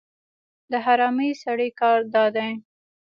د حرامي سړي کار دا دی.